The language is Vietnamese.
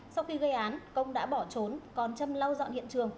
sau khi gây án công đã bỏ trốn còn chăm lau dọn hiện trường